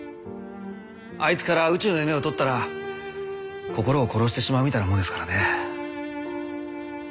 あいつから宇宙の夢を取ったら心を殺してしまうみたいなものですからね。